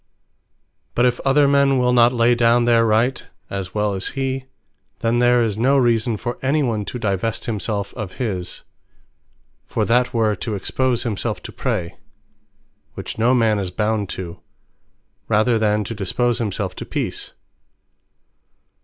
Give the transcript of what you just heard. But if other men will not lay down their Right, as well as he; then there is no Reason for any one, to devest himselfe of his: For that were to expose himselfe to Prey, (which no man is bound to) rather than to dispose himselfe to Peace.